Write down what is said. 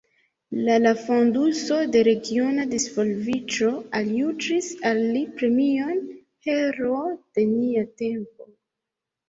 La la Fonduso de Regiona Disvolviĝo aljuĝis al li premion «Heroo de nia tempo».